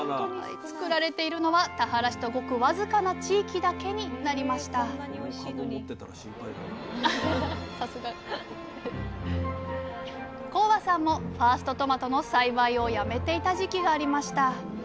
作られているのは田原市とごく僅かな地域だけになりました高和さんもファーストトマトの栽培をやめていた時期がありました。